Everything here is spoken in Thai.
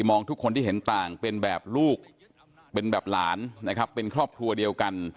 มองทุกคนที่เห็นต่างเป็นแบบลูกเป็นแบบหลานนะครับเป็นครอบครัวเดียวกัน